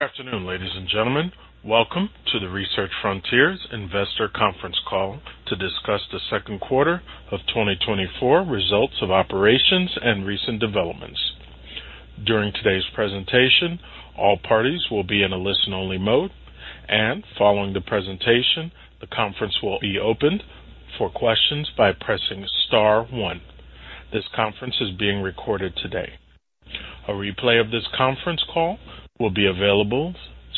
Good afternoon, ladies and gentlemen. Welcome to the Research Frontiers Investor Conference call to discuss the second quarter of 2024 results of operations and recent developments. During today's presentation, all parties will be in a listen-only mode, and following the presentation, the conference will be opened for questions by pressing star one. This conference is being recorded today. A replay of this conference call will be available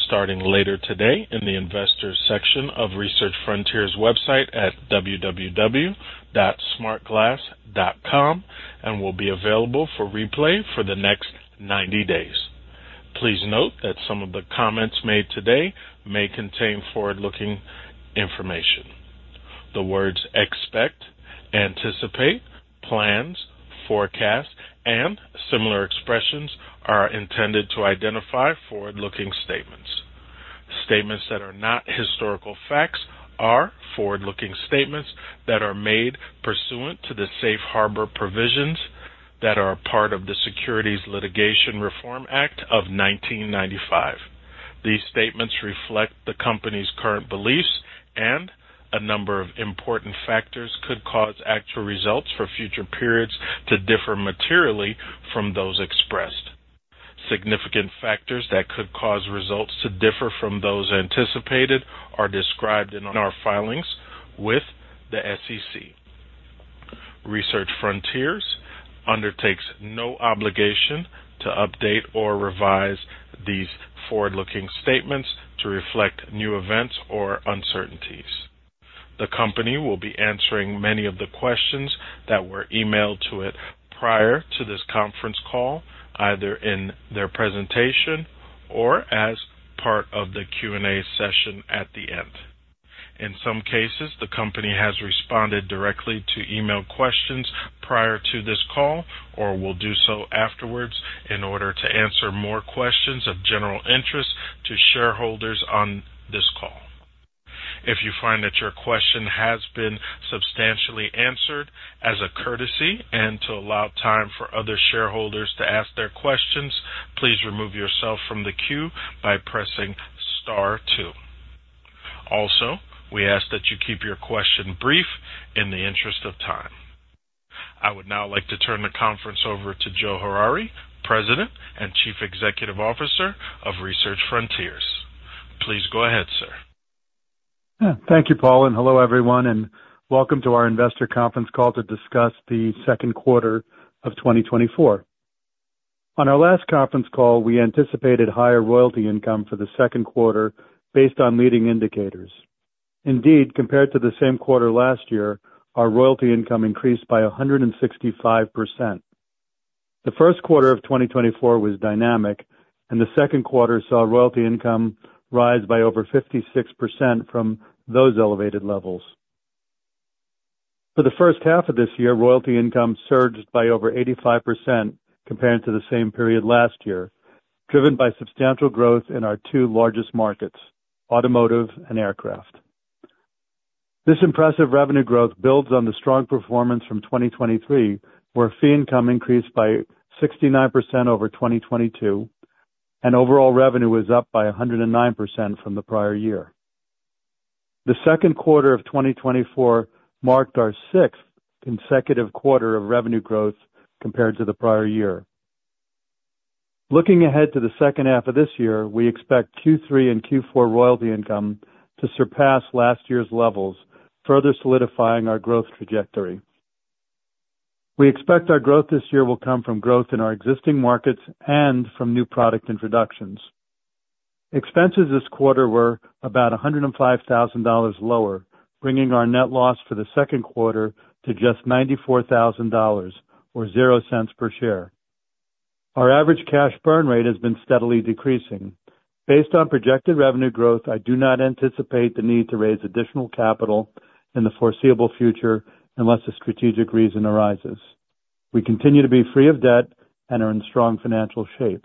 starting later today in the Investor section of Research Frontiers website at www.smartglass.com and will be available for replay for the next 90 days. Please note that some of the comments made today may contain forward-looking information. The words "expect," "anticipate," "plans," "forecast," and similar expressions are intended to identify forward-looking statements. Statements that are not historical facts are forward-looking statements that are made pursuant to the safe harbor provisions that are a part of the Securities Litigation Reform Act of 1995. These statements reflect the company's current beliefs, and a number of important factors could cause actual results for future periods to differ materially from those expressed. Significant factors that could cause results to differ from those anticipated are described in our filings with the SEC. Research Frontiers undertakes no obligation to update or revise these forward-looking statements to reflect new events or uncertainties. The company will be answering many of the questions that were emailed to it prior to this conference call, either in their presentation or as part of the Q&A session at the end. In some cases, the company has responded directly to email questions prior to this call or will do so afterwards in order to answer more questions of general interest to shareholders on this call. If you find that your question has been substantially answered, as a courtesy and to allow time for other shareholders to ask their questions, please remove yourself from the queue by pressing star two. Also, we ask that you keep your question brief in the interest of time. I would now like to turn the conference over to Joe Harary, President and Chief Executive Officer of Research Frontiers. Please go ahead, sir. Thank you, Paul, and hello everyone, and welcome to our investor conference call to discuss the second quarter of 2024. On our last conference call, we anticipated higher royalty income for the second quarter based on leading indicators. Indeed, compared to the same quarter last year, our royalty income increased by 165%. The first quarter of 2024 was dynamic, and the second quarter saw royalty income rise by over 56% from those elevated levels. For the first half of this year, royalty income surged by over 85% compared to the same period last year, driven by substantial growth in our two largest markets, automotive and aircraft. This impressive revenue growth builds on the strong performance from 2023, where fee income increased by 69% over 2022, and overall revenue was up by 109% from the prior year. The second quarter of 2024 marked our sixth consecutive quarter of revenue growth compared to the prior year. Looking ahead to the second half of this year, we expect Q3 and Q4 royalty income to surpass last year's levels, further solidifying our growth trajectory. We expect our growth this year will come from growth in our existing markets and from new product introductions. Expenses this quarter were about $105,000 lower, bringing our net loss for the second quarter to just $94,000 or zero cents per share. Our average cash burn rate has been steadily decreasing. Based on projected revenue growth, I do not anticipate the need to raise additional capital in the foreseeable future unless a strategic reason arises. We continue to be free of debt and are in strong financial shape.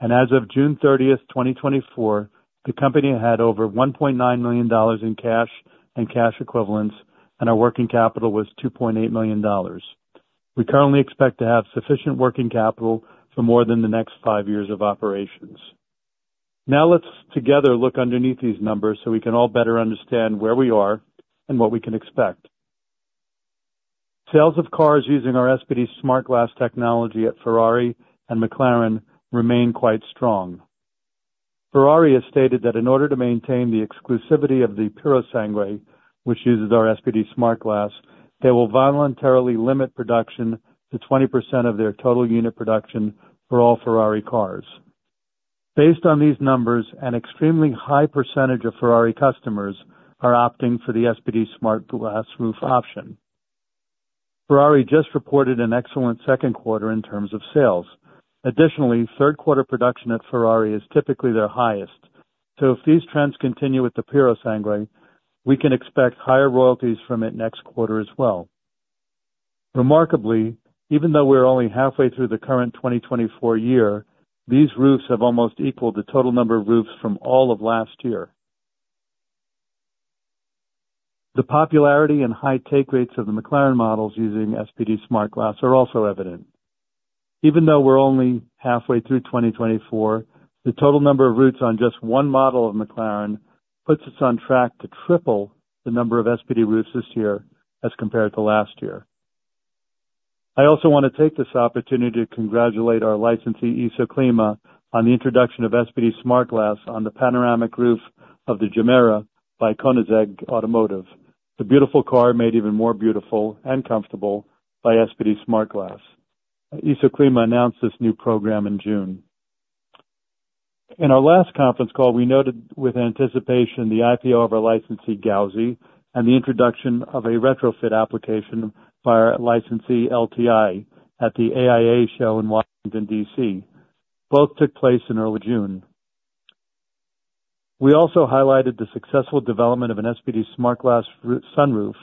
As of June 30th, 2024, the company had over $1.9 million in cash and cash equivalents, and our working capital was $2.8 million. We currently expect to have sufficient working capital for more than the next five years of operations. Now let's together look underneath these numbers so we can all better understand where we are and what we can expect. Sales of cars using our SPD-SmartGlass technology at Ferrari and McLaren remain quite strong. Ferrari has stated that in order to maintain the exclusivity of the Purosangue, which uses our SPD-SmartGlass, they will voluntarily limit production to 20% of their total unit production for all Ferrari cars. Based on these numbers, an extremely high percentage of Ferrari customers are opting for the SPD-SmartGlass roof option. Ferrari just reported an excellent second quarter in terms of sales. Additionally, third quarter production at Ferrari is typically their highest, so if these trends continue with the Purosangue, we can expect higher royalties from it next quarter as well. Remarkably, even though we're only halfway through the current 2024 year, these roofs have almost equaled the total number of roofs from all of last year. The popularity and high take rates of the McLaren models using SPD-SmartGlass are also evident. Even though we're only halfway through 2024, the total number of roofs on just one model of McLaren puts us on track to triple the number of SPD roofs this year as compared to last year. I also want to take this opportunity to congratulate our licensee, Isoclima, on the introduction of SPD-SmartGlass on the panoramic roof of the Gemera by Koenigsegg Automotive, the beautiful car made even more beautiful and comfortable by SPD-SmartGlass. Isoclima announced this new program in June. In our last conference call, we noted with anticipation the IPO of our licensee, Gauzy, and the introduction of a retrofit application by our licensee, LTI, at the AIA show in Washington, D.C. Both took place in early June. We also highlighted the successful development of an SPD-SmartGlass sunroof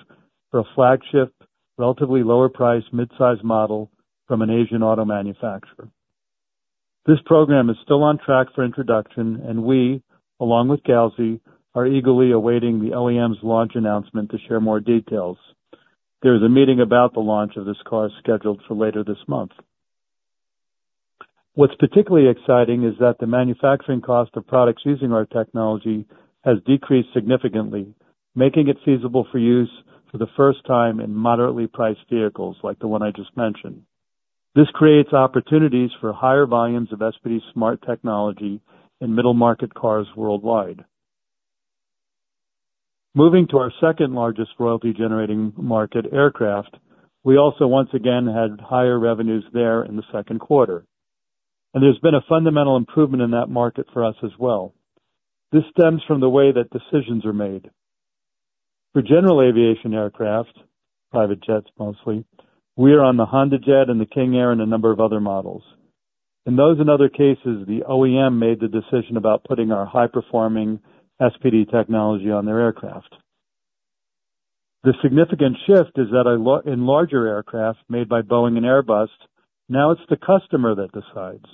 for a flagship, relatively lower-priced, midsize model from an Asian auto manufacturer. This program is still on track for introduction, and we, along with Gauzy, are eagerly awaiting the OEM's launch announcement to share more details. There is a meeting about the launch of this car scheduled for later this month. What's particularly exciting is that the manufacturing cost of products using our technology has decreased significantly, making it feasible for use for the first time in moderately priced vehicles like the one I just mentioned. This creates opportunities for higher volumes of SPD Smart technology in middle-market cars worldwide. Moving to our second largest royalty-generating market, aircraft, we also once again had higher revenues there in the second quarter. There's been a fundamental improvement in that market for us as well. This stems from the way that decisions are made. For general aviation aircraft, private jets mostly, we are on the HondaJet and the King Air and a number of other models. In those and other cases, the OEM made the decision about putting our high-performing SPD technology on their aircraft. The significant shift is that in larger aircraft made by Boeing and Airbus, now it's the customer that decides.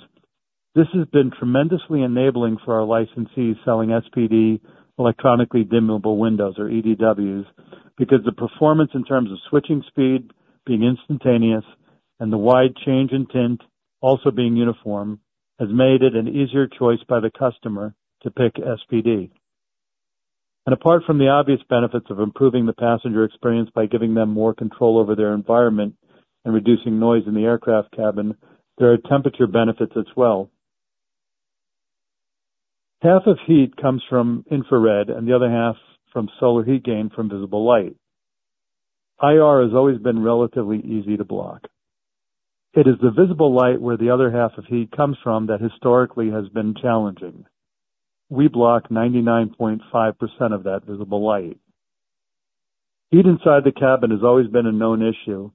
This has been tremendously enabling for our licensees selling SPD electronically dimmable windows, or EDWs, because the performance in terms of switching speed, being instantaneous, and the wide change in tint, also being uniform, has made it an easier choice by the customer to pick SPD. And apart from the obvious benefits of improving the passenger experience by giving them more control over their environment and reducing noise in the aircraft cabin, there are temperature benefits as well. Half of heat comes from infrared and the other half from solar heat gain from visible light. IR has always been relatively easy to block. It is the visible light where the other half of heat comes from that historically has been challenging. We block 99.5% of that visible light. Heat inside the cabin has always been a known issue,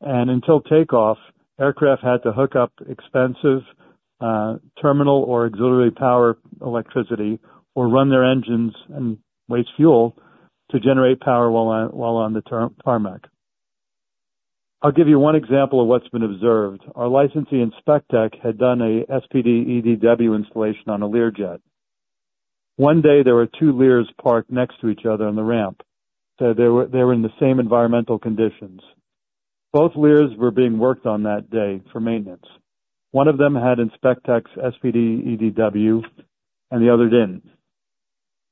and until takeoff, aircraft had to hook up expensive terminal or auxiliary power electricity or run their engines and waste fuel to generate power while on the tarmac. I'll give you one example of what's been observed. Our licensee InspecTech had done an SPD EDW installation on a Learjet. One day, there were two Lears parked next to each other on the ramp. They were in the same environmental conditions. Both Lears were being worked on that day for maintenance. One of them had InspecTech SPD EDW, and the other didn't.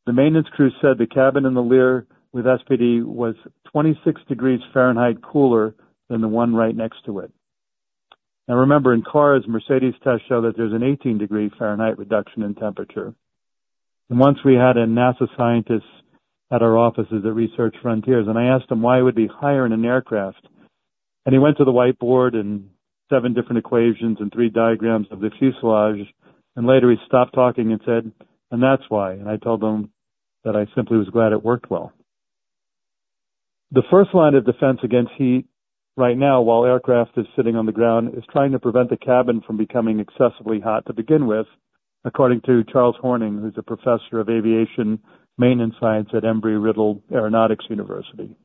The maintenance crew said the cabin in the Lear with SPD was 26 degrees Fahrenheit cooler than the one right next to it. Now remember, in cars, Mercedes tests show that there's an 18-degree Fahrenheit reduction in temperature. Once we had a NASA scientist at our office at Research Frontiers, and I asked him why it would be higher in an aircraft, and he went to the whiteboard and seven different equations and three diagrams of the fuselage, and later he stopped talking and said, "And that's why." And I told him that I simply was glad it worked well. The first line of defense against heat right now, while aircraft is sitting on the ground, is trying to prevent the cabin from becoming excessively hot to begin with, according to Charles Horning, who's a professor of aviation maintenance science at Embry-Riddle Aeronautical University.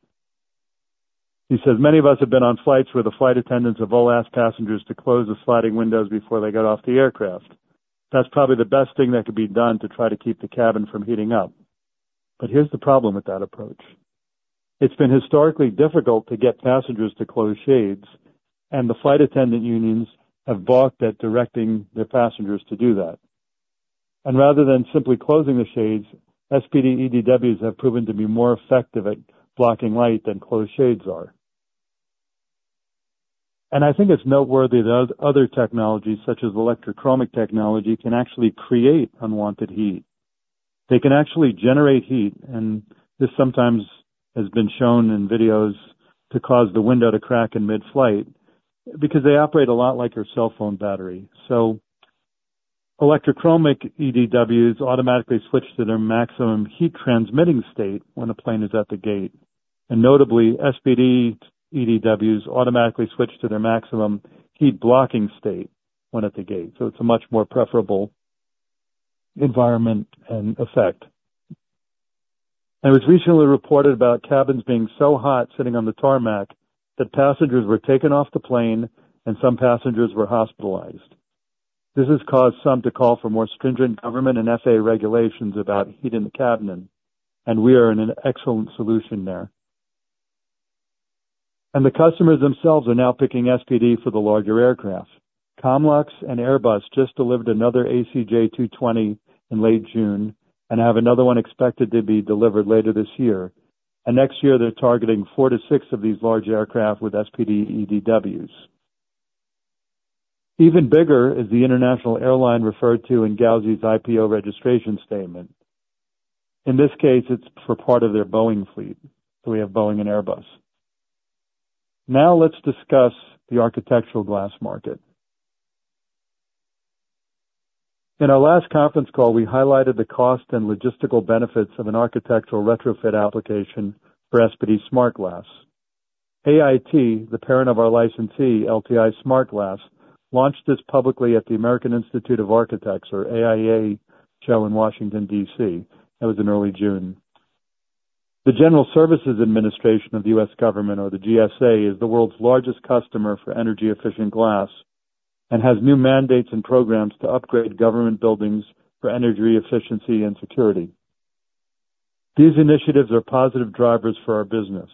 He says, "Many of us have been on flights where the flight attendants have all asked passengers to close the sliding windows before they got off the aircraft. That's probably the best thing that could be done to try to keep the cabin from heating up." But here's the problem with that approach. It's been historically difficult to get passengers to close shades, and the flight attendant unions have balked at directing their passengers to do that. And rather than simply closing the shades, SPD EDWs have proven to be more effective at blocking light than closed shades are. And I think it's noteworthy that other technologies, such as electrochromic technology, can actually create unwanted heat. They can actually generate heat, and this sometimes has been shown in videos to cause the window to crack in mid-flight because they operate a lot like your cell phone battery. So electrochromic EDWs automatically switch to their maximum heat transmitting state when a plane is at the gate. Notably, SPD EDWs automatically switch to their maximum heat blocking state when at the gate. So it's a much more preferable environment and effect. It was recently reported about cabins being so hot sitting on the tarmac that passengers were taken off the plane and some passengers were hospitalized. This has caused some to call for more stringent government and FAA regulations about heat in the cabin, and we are in an excellent solution there. The customers themselves are now picking SPD for the larger aircraft. Comlux and Airbus just delivered another ACJ 220 in late June and have another one expected to be delivered later this year. Next year, they're targeting 4-6 of these large aircraft with SPD EDWs. Even bigger is the international airline referred to in Gauzy's IPO registration statement. In this case, it's for part of their Boeing fleet. So we have Boeing and Airbus. Now let's discuss the architectural glass market. In our last conference call, we highlighted the cost and logistical benefits of an architectural retrofit application for SPD-SmartGlass. AIT, the parent of our licensee, LTI Smart Glass, launched this publicly at the American Institute of Architects, or AIA, show in Washington, D.C. That was in early June. The General Services Administration of the U.S. Government, or the GSA, is the world's largest customer for energy-efficient glass and has new mandates and programs to upgrade government buildings for energy efficiency and security. These initiatives are positive drivers for our business.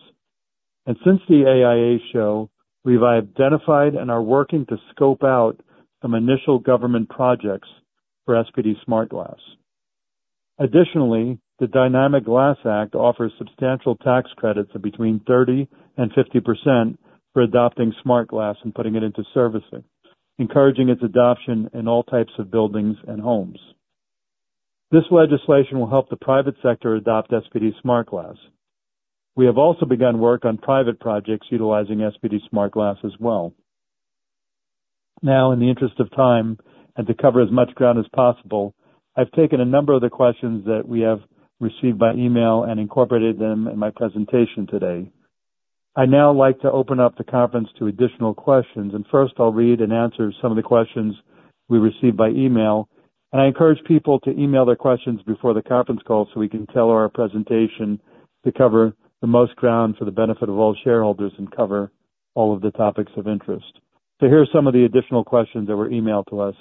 And since the AIA show, we've identified and are working to scope out some initial government projects for SPD-SmartGlass. Additionally, the Dynamic Glass Act offers substantial tax credits of between 30%-50% for adopting Smart Glass and putting it into servicing, encouraging its adoption in all types of buildings and homes. This legislation will help the private sector adopt SPD-SmartGlass. We have also begun work on private projects utilizing SPD-SmartGlass as well. Now, in the interest of time and to cover as much ground as possible, I've taken a number of the questions that we have received by email and incorporated them in my presentation today. I now like to open up the conference to additional questions. First, I'll read and answer some of the questions we received by email. I encourage people to email their questions before the conference call so we can tailor our presentation to cover the most ground for the benefit of all shareholders and cover all of the topics of interest. So here are some of the additional questions that were emailed to us.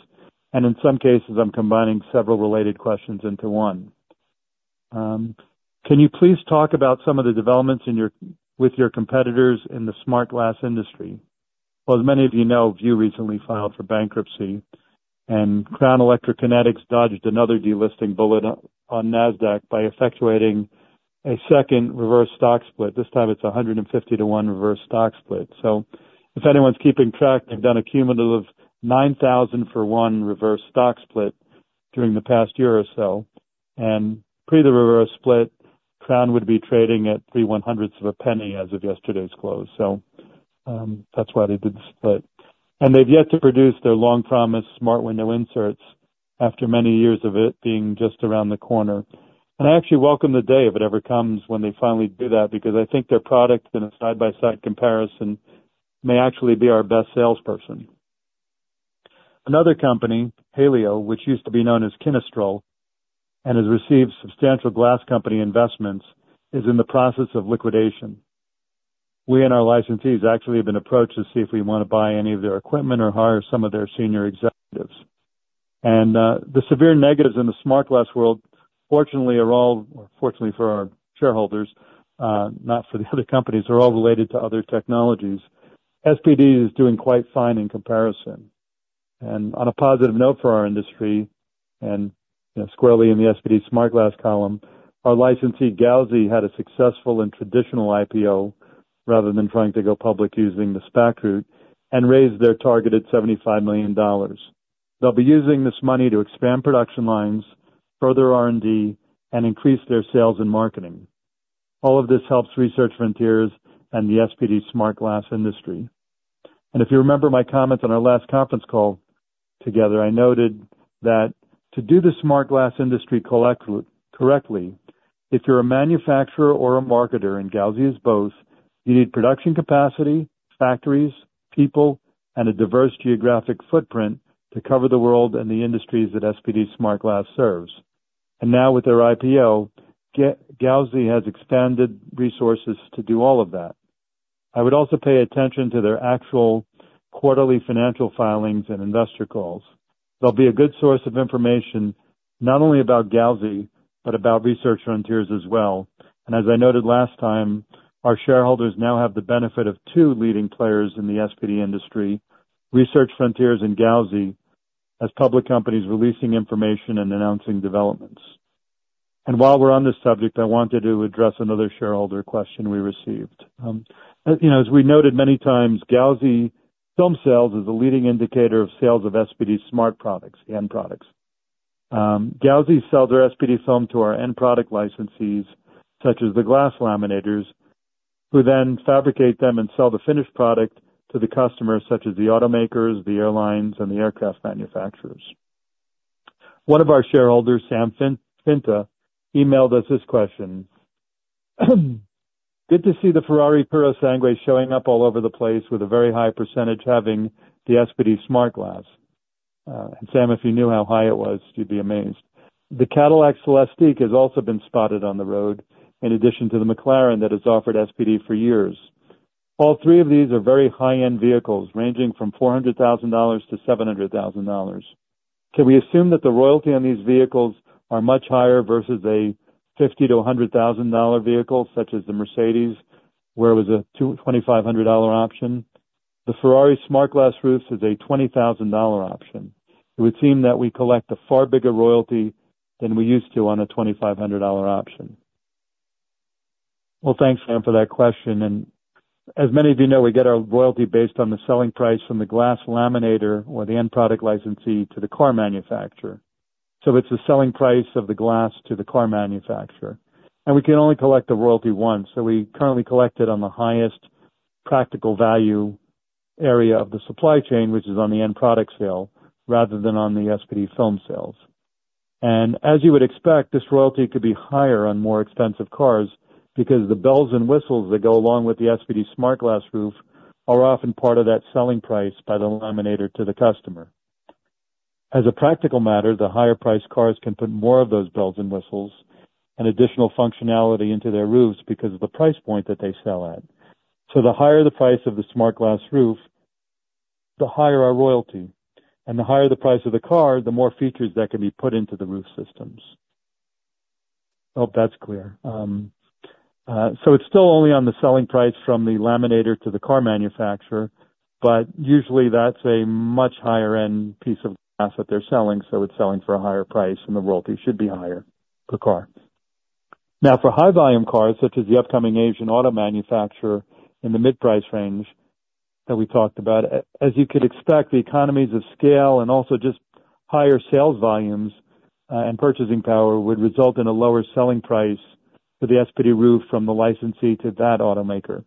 And in some cases, I'm combining several related questions into one. Can you please talk about some of the developments with your competitors in the Smart Glass industry? Well, as many of you know, View recently filed for bankruptcy, and Crown Electrokinetics dodged another delisting bullet on Nasdaq by effectuating a second reverse stock split. This time, it's a 150-to-1 reverse stock split. So if anyone's keeping track, they've done a cumulative 9,000-for-1 reverse stock split during the past year or so. Pre the reverse split, Crown would be trading at $0.0003 as of yesterday's close. That's why they did the split. They've yet to produce their long-promised smart window inserts after many years of it being just around the corner. I actually welcome the day if it ever comes when they finally do that because I think their product in a side-by-side comparison may actually be our best salesperson. Another company, Halio, which used to be known as Kinestral and has received substantial glass company investments, is in the process of liquidation. We and our licensees actually have been approached to see if we want to buy any of their equipment or hire some of their senior executives. The severe negatives in the Smart Glass world, fortunately, are all, or fortunately for our shareholders, not for the other companies, are all related to other technologies. SPD is doing quite fine in comparison. On a positive note for our industry, and squarely in the SPD-SmartGlass column, our licensee Gauzy had a successful and traditional IPO rather than trying to go public using the SPAC route and raised their targeted $75 million. They'll be using this money to expand production lines, further R&D, and increase their sales and marketing. All of this helps Research Frontiers and the SPD-SmartGlass industry. If you remember my comments on our last conference call together, I noted that to do the Smart Glass industry correctly, if you're a manufacturer or a marketer, and Gauzy is both, you need production capacity, factories, people, and a diverse geographic footprint to cover the world and the industries that SPD-SmartGlass serves. Now, with their IPO, Gauzy has expanded resources to do all of that. I would also pay attention to their actual quarterly financial filings and investor calls. They'll be a good source of information not only about Gauzy but about Research Frontiers as well. As I noted last time, our shareholders now have the benefit of two leading players in the SPD industry, Research Frontiers and Gauzy, as public companies releasing information and announcing developments. While we're on this subject, I wanted to address another shareholder question we received. As we noted many times, Gauzy film sales is a leading indicator of sales of SPD Smart Products, the end products. Gauzy sells their SPD film to our end product licensees, such as the glass laminators, who then fabricate them and sell the finished product to the customers, such as the automakers, the airlines, and the aircraft manufacturers. One of our shareholders, Sam Finta, emailed us this question. "Good to see the Ferrari Purosangue showing up all over the place with a very high percentage having the SPD-SmartGlass." And Sam, if you knew how high it was, you'd be amazed. The Cadillac Celestiq has also been spotted on the road in addition to the McLaren that has offered SPD for years. All three of these are very high-end vehicles ranging from $400,000-$700,000. Can we assume that the royalty on these vehicles are much higher versus a $50,000-$100,000 vehicle, such as the Mercedes, where it was a $2,500 option? The Ferrari Smart Glass roof is a $20,000 option. It would seem that we collect a far bigger royalty than we used to on a $2,500 option. Well, thanks, Sam, for that question. And as many of you know, we get our royalty based on the selling price from the glass laminator or the end product licensee to the car manufacturer. So it's the selling price of the glass to the car manufacturer. And we can only collect the royalty once. So we currently collect it on the highest practical value area of the supply chain, which is on the end product sale, rather than on the SPD film sales. As you would expect, this royalty could be higher on more expensive cars because the bells and whistles that go along with the SPD-SmartGlass roof are often part of that selling price by the laminator to the customer. As a practical matter, the higher-priced cars can put more of those bells and whistles and additional functionality into their roofs because of the price point that they sell at. So the higher the price of the Smart Glass roof, the higher our royalty. And the higher the price of the car, the more features that can be put into the roof systems. Hope that's clear. So it's still only on the selling price from the laminator to the car manufacturer, but usually, that's a much higher-end piece of glass that they're selling. So it's selling for a higher price, and the royalty should be higher per car. Now, for high-volume cars, such as the upcoming Asian auto manufacturer in the mid-price range that we talked about, as you could expect, the economies of scale and also just higher sales volumes and purchasing power would result in a lower selling price for the SPD roof from the licensee to that automaker.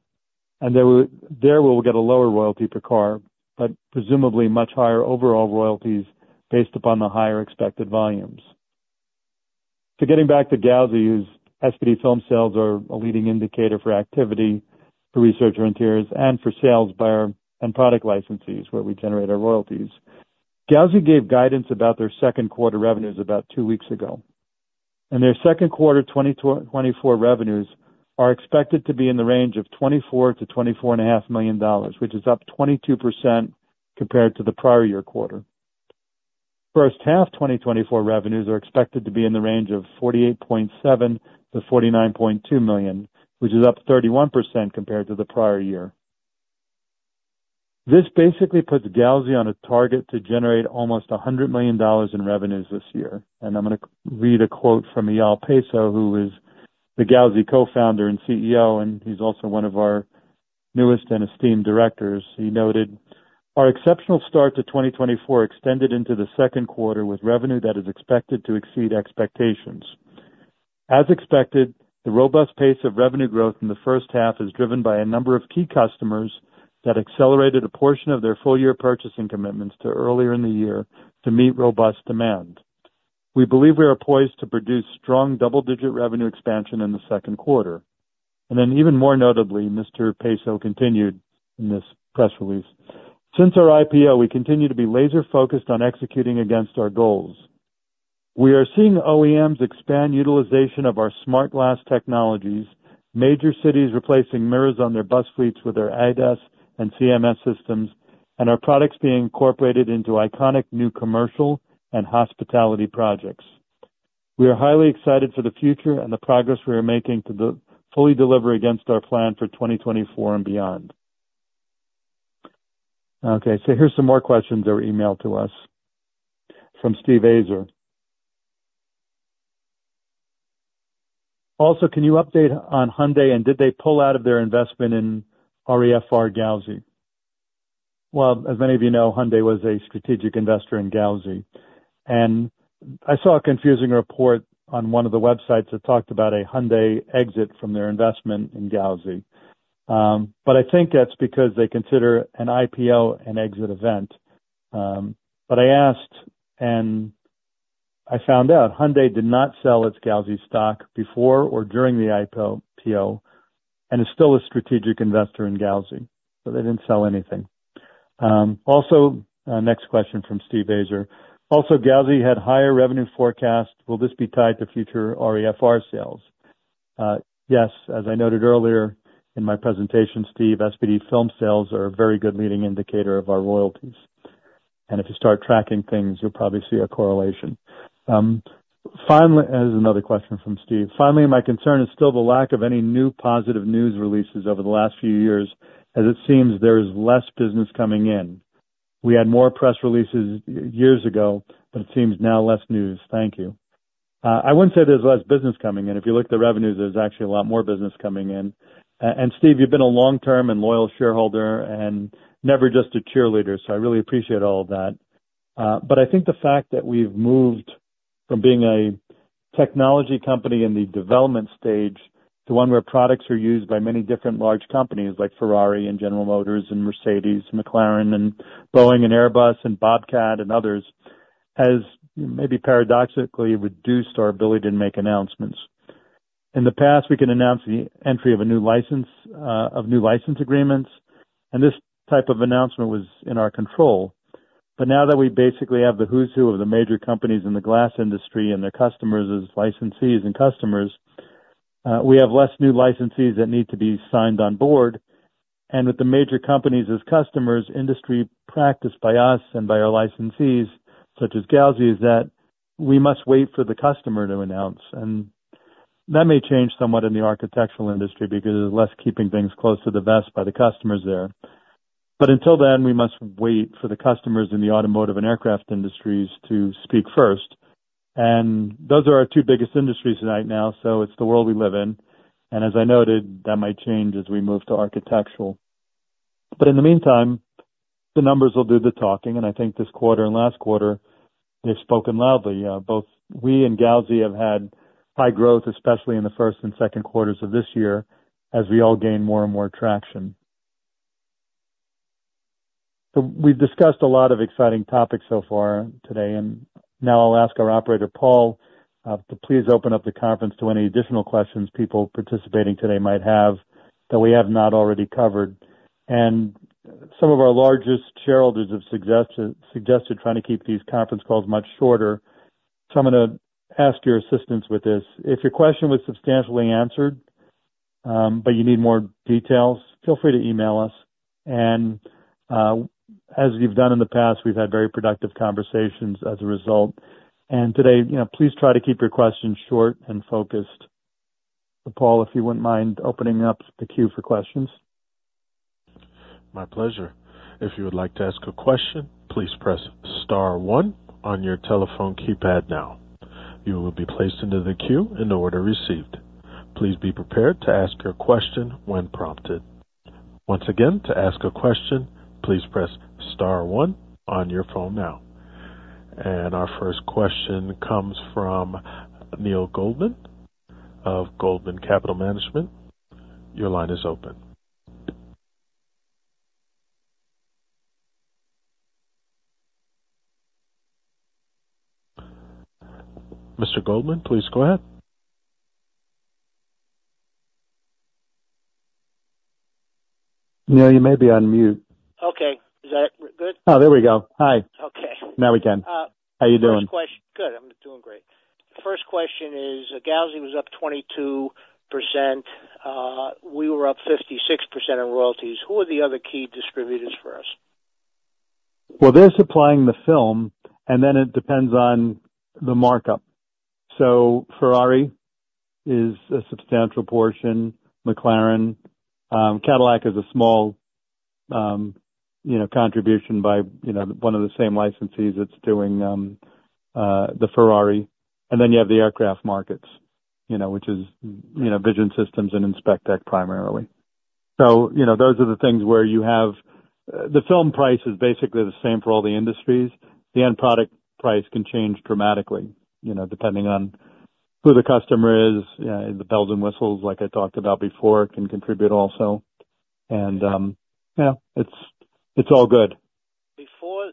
And there we'll get a lower royalty per car, but presumably much higher overall royalties based upon the higher expected volumes. So getting back to Gauzy, whose SPD film sales are a leading indicator for activity for Research Frontiers and for sales by our end product licensees, where we generate our royalties. Gauzy gave guidance about their second quarter revenues about two weeks ago. And their second quarter 2024 revenues are expected to be in the range of $24-$24.5 million, which is up 22% compared to the prior year quarter. First half 2024 revenues are expected to be in the range of $48.7-$49.2 million, which is up 31% compared to the prior year. This basically puts Gauzy on a target to generate almost $100 million in revenues this year. I'm going to read a quote from Eyal Peso, who is the Gauzy co-founder and CEO, and he's also one of our newest and esteemed directors. He noted, "Our exceptional start to 2024 extended into the second quarter with revenue that is expected to exceed expectations. As expected, the robust pace of revenue growth in the first half is driven by a number of key customers that accelerated a portion of their full-year purchasing commitments to earlier in the year to meet robust demand. We believe we are poised to produce strong double-digit revenue expansion in the second quarter." Then even more notably, Mr. Peso continued in this press release, "Since our IPO, we continue to be laser-focused on executing against our goals. We are seeing OEMs expand utilization of our Smart Glass technologies, major cities replacing mirrors on their bus fleets with their ADAS and CMS systems, and our products being incorporated into iconic new commercial and hospitality projects. We are highly excited for the future and the progress we are making to fully deliver against our plan for 2024 and beyond." Okay. So here's some more questions that were emailed to us from Steve Azer. "Also, can you update on Hyundai and did they pull out of their investment in REFR Gauzy `?" Well, as many of you know, Hyundai was a strategic investor in Gauzy. And I saw a confusing report on one of the websites that talked about a Hyundai exit from their investment in Gauzy. But I think that's because they consider an IPO an exit event. But I asked, and I found out Hyundai did not sell its Gauzy stock before or during the IPO and is still a strategic investor in Gauzy. So they didn't sell anything. Also, next question from Steve Azer. "Also, Gauzy had higher revenue forecasts. Will this be tied to future REFR sales?" Yes. As I noted earlier in my presentation, Steve, SPD film sales are a very good leading indicator of our royalties. And if you start tracking things, you'll probably see a correlation. Finally, there's another question from Steve. "Finally, my concern is still the lack of any new positive news releases over the last few years as it seems there is less business coming in. We had more press releases years ago, but it seems now less news. Thank you." I wouldn't say there's less business coming in. If you look at the revenues, there's actually a lot more business coming in. And Steve, you've been a long-term and loyal shareholder and never just a cheerleader. So I really appreciate all of that. But I think the fact that we've moved from being a technology company in the development stage to one where products are used by many different large companies like Ferrari and General Motors and Mercedes and McLaren and Boeing and Airbus and Bobcat and others has maybe paradoxically reduced our ability to make announcements. In the past, we can announce the entry of a new license of new license agreements. And this type of announcement was in our control. But now that we basically have the who's who of the major companies in the glass industry and their customers as licensees and customers, we have less new licensees that need to be signed on board. And with the major companies as customers, industry practice by us and by our licensees, such as Gauzy, is that we must wait for the customer to announce. And that may change somewhat in the architectural industry because there's less keeping things close to the vest by the customers there. But until then, we must wait for the customers in the automotive and aircraft industries to speak first. And those are our two biggest industries right now. So it's the world we live in. And as I noted, that might change as we move to architectural. But in the meantime, the numbers will do the talking. I think this quarter and last quarter, they've spoken loudly. Both we and Gauzy have had high growth, especially in the first and second quarters of this year as we all gain more and more traction. We've discussed a lot of exciting topics so far today. Now I'll ask our operator, Paul, to please open up the conference to any additional questions people participating today might have that we have not already covered. Some of our largest shareholders have suggested trying to keep these conference calls much shorter. I'm going to ask your assistance with this. If your question was substantially answered, but you need more details, feel free to email us. As you've done in the past, we've had very productive conversations as a result. Today, please try to keep your questions short and focused. Paul, if you wouldn't mind opening up the queue for questions. My pleasure. If you would like to ask a question, please press star one on your telephone keypad now. You will be placed into the queue and order received. Please be prepared to ask your question when prompted. Once again, to ask a question, please press star one on your phone now. And our first question comes from Neil Goldman of Goldman Capital Management. Your line is open. Mr. Goldman, please go ahead. Neal, you may be on mute. Okay. Is that good? Oh, there we go. Hi. Okay. Now we can. How are you doing? Good. I'm doing great. First question is, Gauzy was up 22%. We were up 56% in royalties. Who are the other key distributors for us? Well, they're supplying the film, and then it depends on the markup. So Ferrari is a substantial portion. McLaren. Cadillac is a small contribution by one of the same licensees that's doing the Ferrari. And then you have the aircraft markets, which is Vision Systems and InspecTech primarily. So those are the things where you have the film price is basically the same for all the industries. The end product price can change dramatically depending on who the customer is. The bells and whistles, like I talked about before, can contribute also. And yeah, it's all good. Before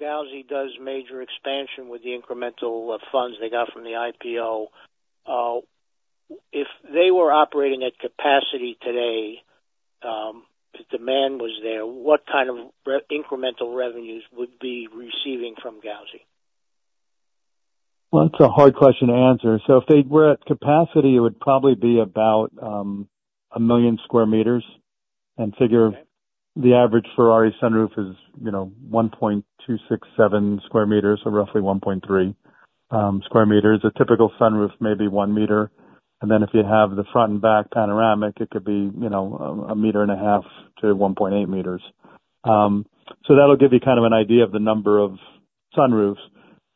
Gauzy does major expansion with the incremental funds they got from the IPO, if they were operating at capacity today, if demand was there, what kind of incremental revenues would be receiving from Gauzy? Well, that's a hard question to answer. So if they were at capacity, it would probably be about 1 million square meters. Figure the average Ferrari sunroof is 1.267 square meters or roughly 1.3 square meters. A typical sunroof may be 1 meter. Then if you have the front and back panoramic, it could be 1.5-1.8 meters. So that'll give you kind of an idea of the number of sunroofs.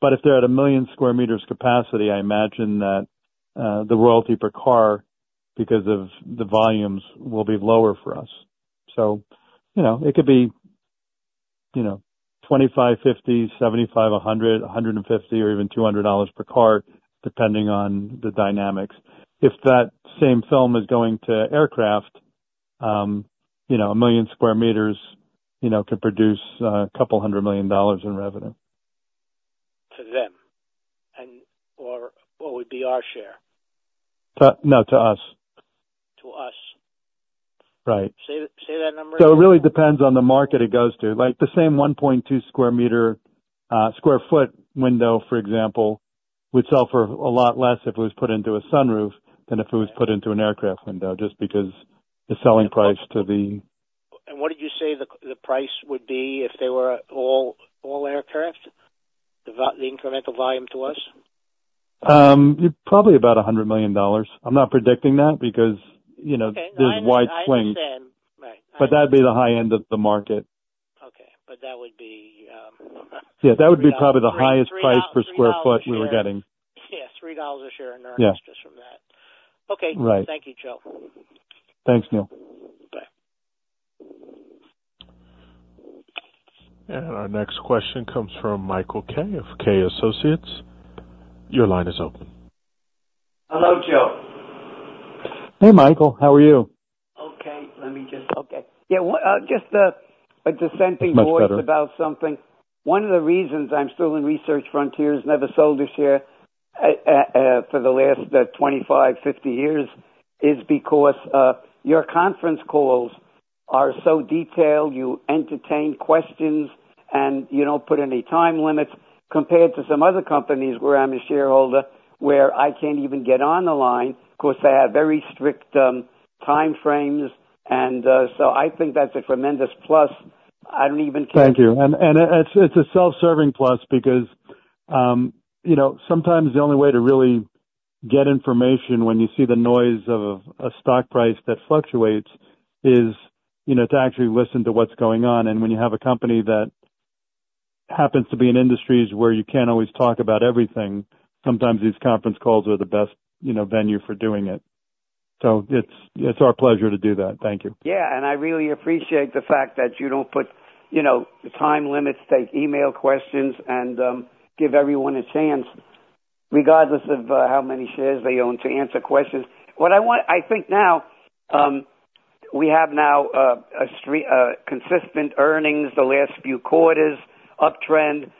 But if they're at 1 million square meters capacity, I imagine that the royalty per car, because of the volumes, will be lower for us. So it could be $25, $50, $75, $100, $150, or even $200 per car, depending on the dynamics. If that same film is going to aircraft, 1 million square meters could produce $200 million in revenue. To them or what would be our share? No, to us. To us. Right. Say that number again. So it really depends on the market it goes to. The same 1.2 square meter square foot window, for example, would sell for a lot less if it was put into a sunroof than if it was put into an aircraft window just because the selling price to the. And what did you say the price would be if they were all aircraft, the incremental volume to us? Probably about $100 million. I'm not predicting that because there's wide swing. But that'd be the high end of the market. Okay. But that would be. Yeah. That would be probably the highest price per square foot we were getting. Yeah. $3 a share in earnest just from that. Okay. Thank you, Joe. Thanks, Neal. Bye. And our next question comes from Michael Kay of Kay Associates. Your line is open. Hello, Joe. Hey, Michael. How are you? Okay. Let me just. Okay. Yeah. Just a dissenting voice about something. One of the reasons I'm still in Research Frontiers, never sold this year for the last 25, 50 years, is because your conference calls are so detailed. You entertain questions, and you don't put any time limits compared to some other companies where I'm a shareholder where I can't even get on the line. Of course, they have very strict time frames. So I think that's a tremendous plus. I don't even care. Thank you. It's a self-serving plus because sometimes the only way to really get information when you see the noise of a stock price that fluctuates is to actually listen to what's going on. When you have a company that happens to be in industries where you can't always talk about everything, sometimes these conference calls are the best venue for doing it. So it's our pleasure to do that. Thank you. Yeah. I really appreciate the fact that you don't put time limits, take email questions, and give everyone a chance regardless of how many shares they own to answer questions. What I want, I think now we have now consistent earnings the last few quarters, uptrend,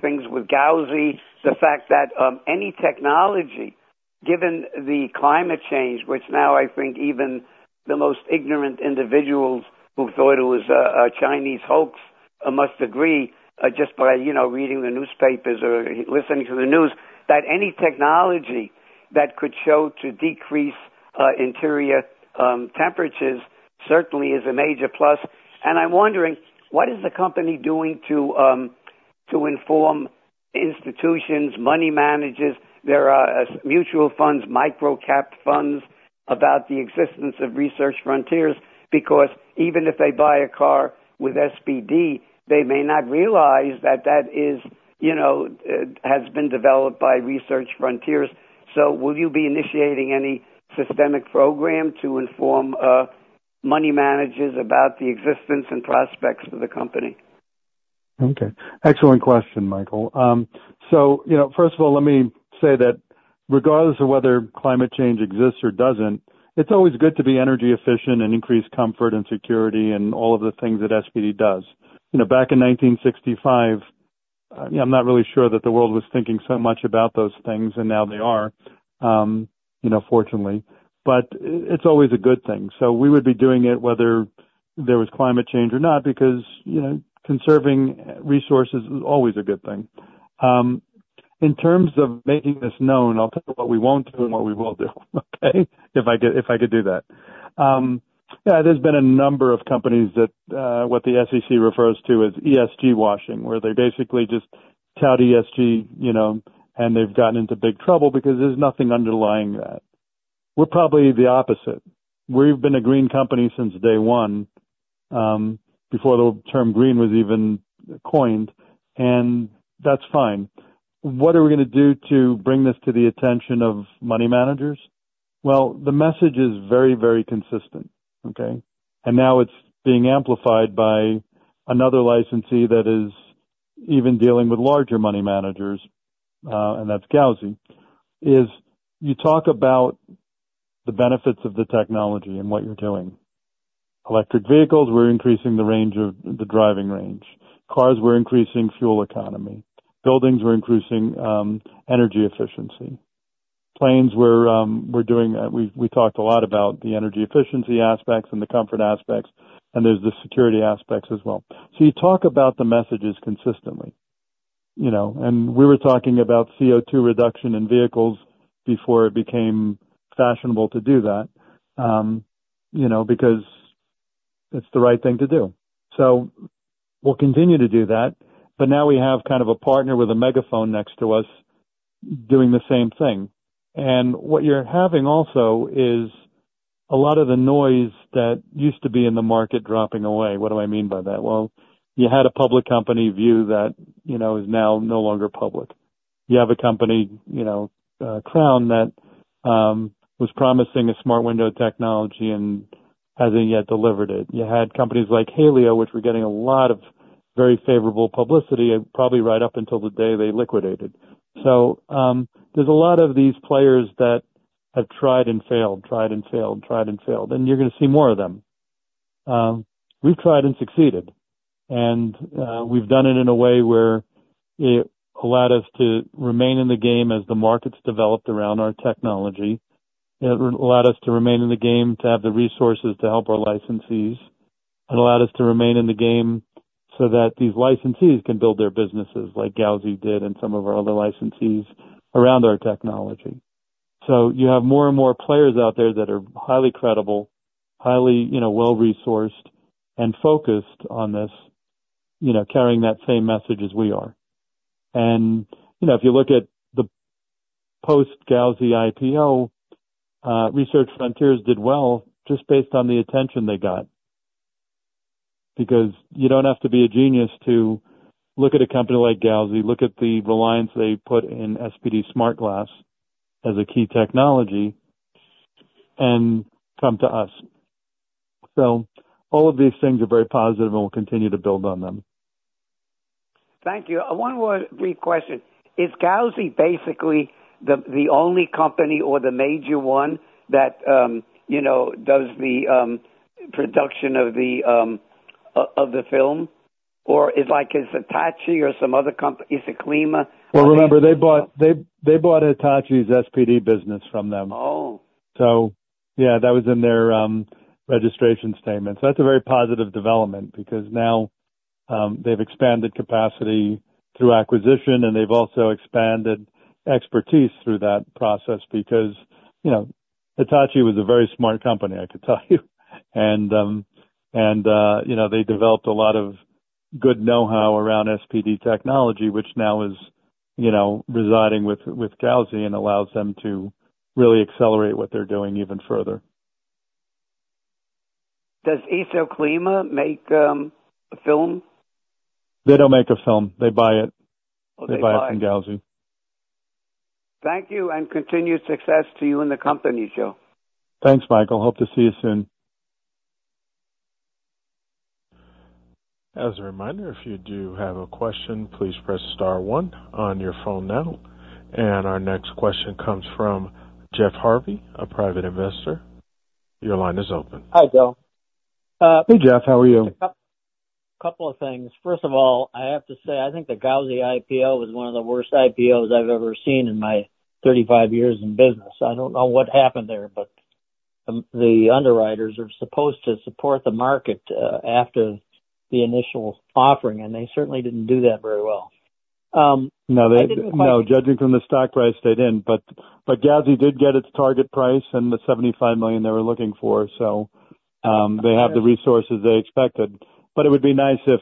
things with Gauzy, the fact that any technology, given the climate change, which now I think even the most ignorant individuals who thought it was a Chinese hoax must agree just by reading the newspapers or listening to the news, that any technology that could show to decrease interior temperatures certainly is a major plus. I'm wondering, what is the company doing to inform institutions, money managers? There are mutual funds, micro-cap funds about the existence of Research Frontiers because even if they buy a car with SPD, they may not realize that that has been developed by Research Frontiers. So will you be initiating any systemic program to inform money managers about the existence and prospects of the company? Okay. Excellent question, Michael. So first of all, let me say that regardless of whether climate change exists or doesn't, it's always good to be energy efficient and increase comfort and security and all of the things that SPD does. Back in 1965, I'm not really sure that the world was thinking so much about those things, and now they are, fortunately. But it's always a good thing. So we would be doing it whether there was climate change or not because conserving resources is always a good thing. In terms of making this known, I'll tell you what we won't do and what we will do, okay, if I could do that. Yeah. There's been a number of companies that what the SEC refers to as ESG washing, where they basically just tout ESG, and they've gotten into big trouble because there's nothing underlying that. We're probably the opposite. We've been a green company since day one before the term green was even coined. That's fine. What are we going to do to bring this to the attention of money managers? Well, the message is very, very consistent, okay? Now it's being amplified by another licensee that is even dealing with larger money managers, and that's Gauzy. You talk about the benefits of the technology and what you're doing. Electric vehicles, we're increasing the driving range. Cars, we're increasing fuel economy. Buildings, we're increasing energy efficiency. Planes, we're doing we talked a lot about the energy efficiency aspects and the comfort aspects, and there's the security aspects as well. So you talk about the messages consistently. We were talking about CO2 reduction in vehicles before it became fashionable to do that because it's the right thing to do. We'll continue to do that. But now we have kind of a partner with a megaphone next to us doing the same thing. What you're having also is a lot of the noise that used to be in the market dropping away. What do I mean by that? Well, you had a public company View that is now no longer public. You have a company, Crown, that was promising a smart window technology and hasn't yet delivered it. You had companies like Halio, which were getting a lot of very favorable publicity, probably right up until the day they liquidated. So there's a lot of these players that have tried and failed, tried and failed, tried and failed. You're going to see more of them. We've tried and succeeded. We've done it in a way where it allowed us to remain in the game as the markets developed around our technology. It allowed us to remain in the game to have the resources to help our licensees. It allowed us to remain in the game so that these licensees can build their businesses like Gauzy did and some of our other licensees around our technology. You have more and more players out there that are highly credible, highly well-resourced, and focused on this, carrying that same message as we are. If you look at the post-Gauzy IPO, Research Frontiers did well just based on the attention they got. Because you don't have to be a genius to look at a company like Gauzy, look at the reliance they put in SPD-SmartGlass as a key technology, and come to us. So all of these things are very positive and we'll continue to build on them. Thank you. One more quick question. Is Gauzy basically the only company or the major one that does the production of the film? Or is it Hitachi or some other company? Is it IsoClima? Well, remember, they bought Hitachi's SPD business from them. So yeah, that was in their registration statement. So that's a very positive development because now they've expanded capacity through acquisition, and they've also expanded expertise through that process because Hitachi was a very smart company, I could tell you. And they developed a lot of good know-how around SPD technology, which now is residing with Gauzy and allows them to really accelerate what they're doing even further. Does IsoClima make a film? They don't make a film. They buy it. They buy it from Gauzy. Thank you. And continued success to you and the company, Joe. Thanks, Michael. Hope to see you soon. As a reminder, if you do have a question, please press star one on your phone now. And our next question comes from Jeff Harvey, a private investor. Your line is open. Hi, Joe. Hey, Jeff. How are you? A couple of things. First of all, I have to say I think the Gauzy IPO was one of the worst IPOs I've ever seen in my 35 years in business. I don't know what happened there, but the underwriters are supposed to support the market after the initial offering, and they certainly didn't do that very well. No, they didn't. No, judging from the stock price, they didn't. But Gauzy did get its target price and the $75 million they were looking for. So they have the resources they expected. But it would be nice if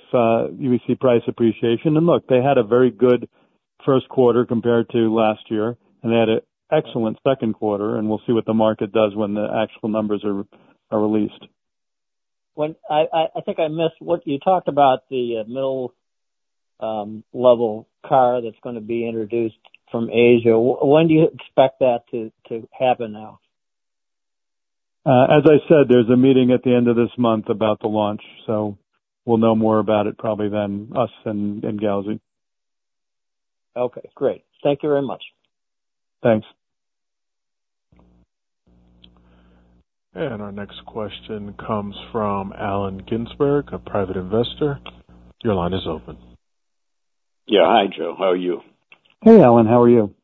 we see price appreciation. And look, they had a very good first quarter compared to last year, and they had an excellent second quarter. And we'll see what the market does when the actual numbers are released. I think I missed what you talked about the middle-level car that's going to be introduced from Asia. When do you expect that to happen now? As I said, there's a meeting at the end of this month about the launch. So we'll know more about it probably than us and Gauzy. Okay. Great. Thank you very much. Thanks. And our next question comes from Alan Ginsberg, a private investor. Your line is open. Yeah. Hi, Joe. How are you? Hey, Alan. How are you?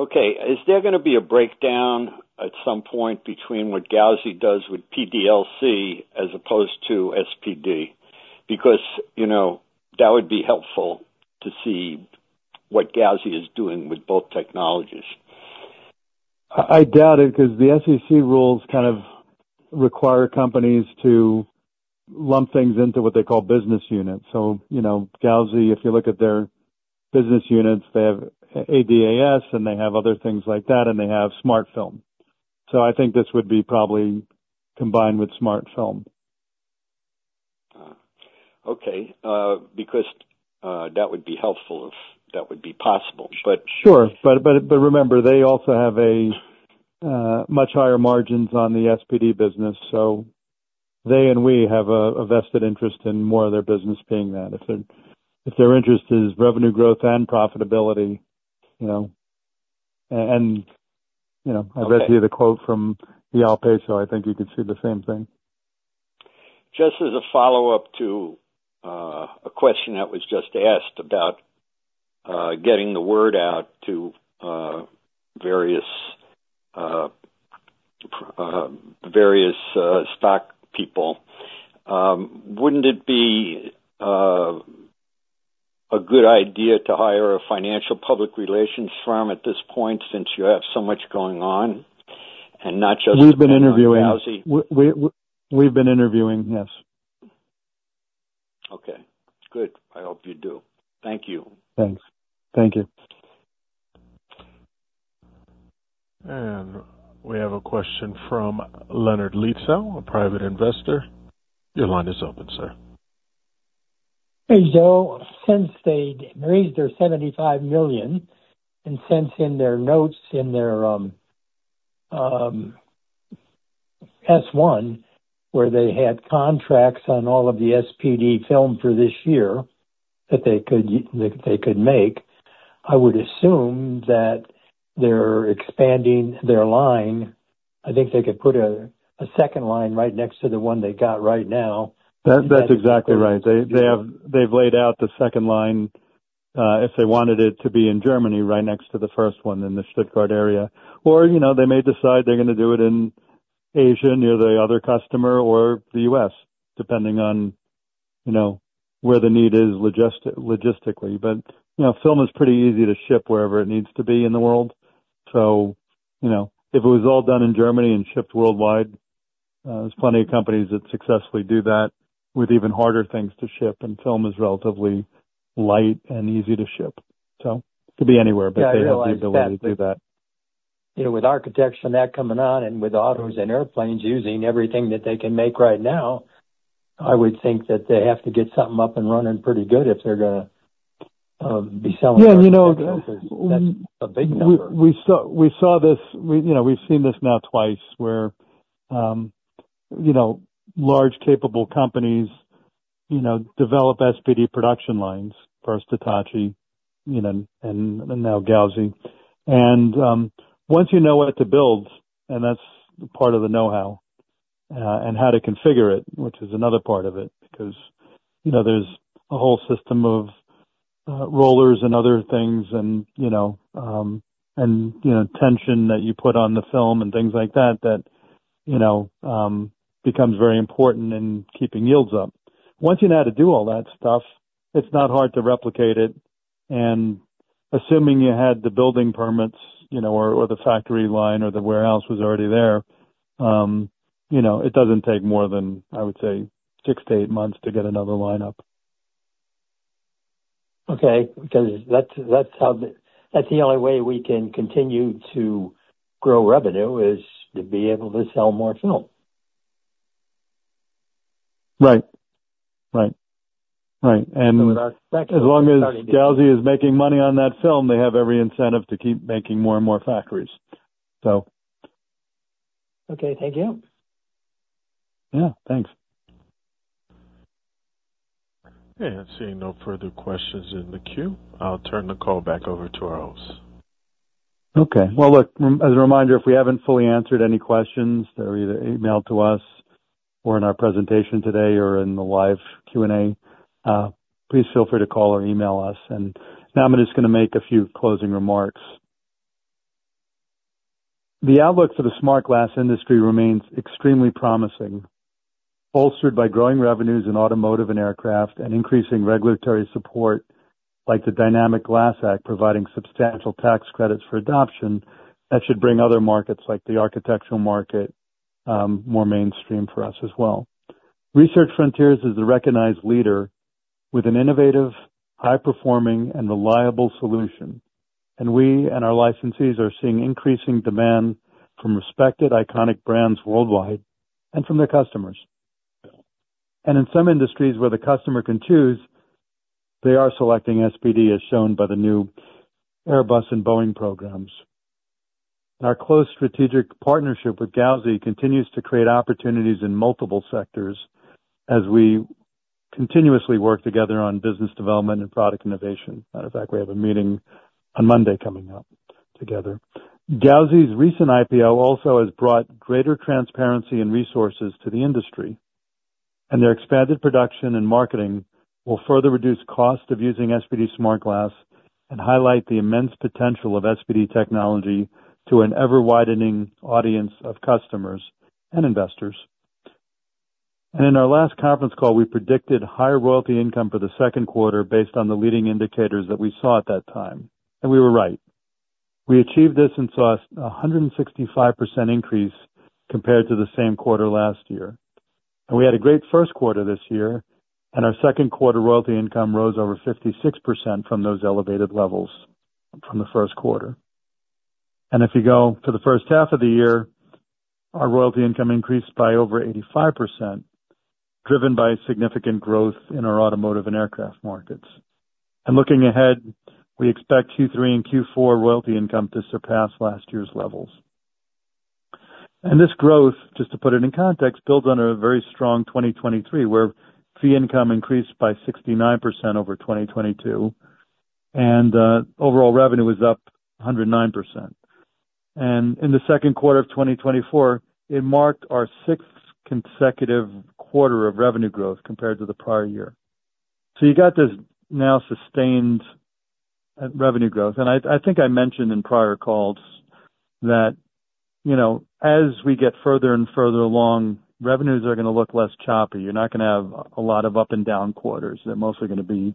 Okay. Is there going to be a breakdown at some point between what Gauzy does with PDLC as opposed to SPD? Because that would be helpful to see what Gauzy is doing with both technologies. I doubt it because the SEC rules kind of require companies to lump things into what they call business units. So Gauzy, if you look at their business units, they have ADAS, and they have other things like that, and they have smart film. So I think this would be probably combined with smart film. Okay. Because that would be helpful if that would be possible. But. Sure. But remember, they also have much higher margins on the SPD business. So they and we have a vested interest in more of their business being that. If their interest is revenue growth and profitability and I read to you the quote from Eyal Peso, so I think you could see the same thing. Just as a follow-up to a question that was just asked about getting the word out to various stock people, wouldn't it be a good idea to hire a financial public relations firm at this point since you have so much going on and not just. We've been interviewing Gauzy? We've been interviewing, yes. Okay. Good. I hope you do. Thank you. Thanks. Thank you. And we have a question from Leonard Lizzo, a private investor. Your line is open, sir. Hey, Joe. Since they raised their $75 million and sent in their notes in their S1, where they had contracts on all of the SPD film for this year that they could make, I would assume that they're expanding their line. I think they could put a second line right next to the one they got right now. That's exactly right. They've laid out the second line if they wanted it to be in Germany right next to the first one in the Stuttgart area. Or they may decide they're going to do it in Asia near the other customer or the U.S., depending on where the need is logistically. But film is pretty easy to ship wherever it needs to be in the world. So if it was all done in Germany and shipped worldwide, there's plenty of companies that successfully do that with even harder things to ship, and film is relatively light and easy to ship. So it could be anywhere, but they have the ability to do that. With architects and that coming on and with autos and airplanes using everything that they can make right now, I would think that they have to get something up and running pretty good if they're going to be selling something to the focus. That's a big number. We saw this. We've seen this now twice where large capable companies develop SPD production lines first, Hitachi, and now Gauzy. And once you know what to build, and that's part of the know-how, and how to configure it, which is another part of it because there's a whole system of rollers and other things and tension that you put on the film and things like that that becomes very important in keeping yields up. Once you know how to do all that stuff, it's not hard to replicate it. And assuming you had the building permits or the factory line or the warehouse was already there, it doesn't take more than, I would say, 6-8 months to get another line up. Okay. Because that's the only way we can continue to grow revenue is to be able to sell more film. Right. Right. Right. And as long as Gauzy is making money on that film, they have every incentive to keep making more and more factories, so. Okay. Thank you. Yeah. Thanks. Okay. I'm seeing no further questions in the queue. I'll turn the call back over to our host. Okay. Well, look, as a reminder, if we haven't fully answered any questions, they're either emailed to us or in our presentation today or in the live Q&A. Please feel free to call or email us. And now I'm just going to make a few closing remarks. The outlook for the smart glass industry remains extremely promising, bolstered by growing revenues in automotive and aircraft and increasing regulatory support like the Dynamic Glass Act providing substantial tax credits for adoption that should bring other markets like the architectural market more mainstream for us as well. Research Frontiers is a recognized leader with an innovative, high-performing, and reliable solution. And we and our licensees are seeing increasing demand from respected iconic brands worldwide and from their customers. In some industries where the customer can choose, they are selecting SPD as shown by the new Airbus and Boeing programs. Our close strategic partnership with Gauzy continues to create opportunities in multiple sectors as we continuously work together on business development and product innovation. As a matter of fact, we have a meeting on Monday coming up together. Gauzy's recent IPO also has brought greater transparency and resources to the industry. Their expanded production and marketing will further reduce costs of using SPD-SmartGlass and highlight the immense potential of SPD technology to an ever-widening audience of customers and investors. In our last conference call, we predicted higher royalty income for the second quarter based on the leading indicators that we saw at that time. We were right. We achieved this and saw a 165% increase compared to the same quarter last year. We had a great first quarter this year, and our second quarter royalty income rose over 56% from those elevated levels from the first quarter. If you go to the first half of the year, our royalty income increased by over 85%, driven by significant growth in our automotive and aircraft markets. Looking ahead, we expect Q3 and Q4 royalty income to surpass last year's levels. This growth, just to put it in context, builds on a very strong 2023 where fee income increased by 69% over 2022, and overall revenue was up 109%. In the second quarter of 2024, it marked our sixth consecutive quarter of revenue growth compared to the prior year. So you got this now sustained revenue growth. I think I mentioned in prior calls that as we get further and further along, revenues are going to look less choppy. You're not going to have a lot of up and down quarters. They're mostly going to be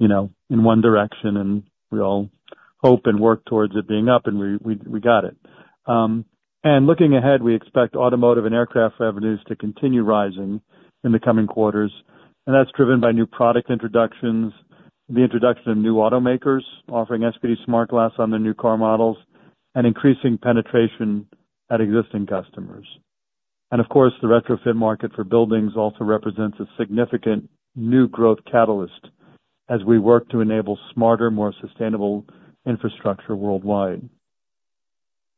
in one direction, and we all hope and work towards it being up, and we got it. Looking ahead, we expect automotive and aircraft revenues to continue rising in the coming quarters. That's driven by new product introductions, the introduction of new automakers offering SPD-SmartGlass on their new car models, and increasing penetration at existing customers. Of course, the retrofit market for buildings also represents a significant new growth catalyst as we work to enable smarter, more sustainable infrastructure worldwide.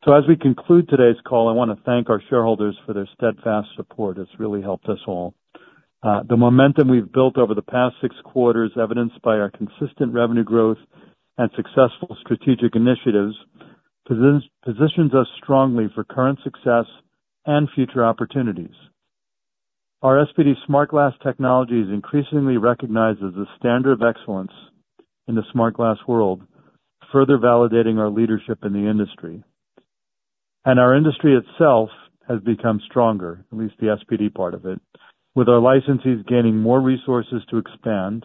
As we conclude today's call, I want to thank our shareholders for their steadfast support. It's really helped us all. The momentum we've built over the past six quarters, evidenced by our consistent revenue growth and successful strategic initiatives, positions us strongly for current success and future opportunities. Our SPD-SmartGlass technology is increasingly recognized as a standard of excellence in the smart glass world, further validating our leadership in the industry. Our industry itself has become stronger, at least the SPD part of it, with our licensees gaining more resources to expand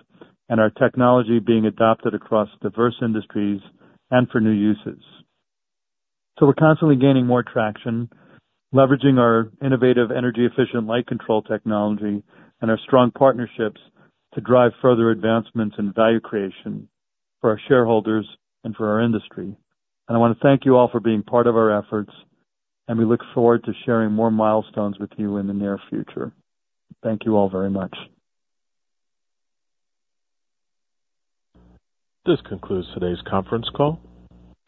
and our technology being adopted across diverse industries and for new uses. We're constantly gaining more traction, leveraging our innovative energy-efficient light control technology and our strong partnerships to drive further advancements and value creation for our shareholders and for our industry. I want to thank you all for being part of our efforts, and we look forward to sharing more milestones with you in the near future. Thank you all very much. This concludes today's conference call.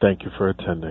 Thank you for attending.